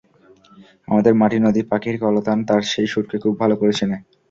আমাদের মাটি, নদী, পাখির কলতান তাঁর সেই সুরকে খুব ভালো করে চেনে।